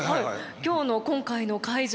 今日の今回の会場